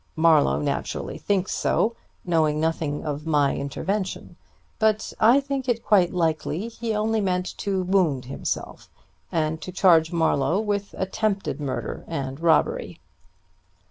Marlowe naturally thinks so, knowing nothing of my intervention. But I think it quite likely he only meant to wound himself, and to charge Marlowe with attempted murder and robbery.